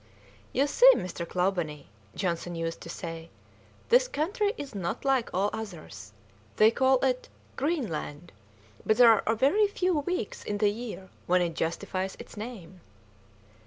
"You see, Mr. Clawbonny," Johnson used to say, "this country is not like all others; they call it _Green_land, but there are very few weeks in the year when it justifies its name."